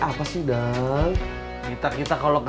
makaku sudah khawatir sudah belajar